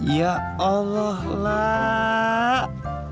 ya allah lah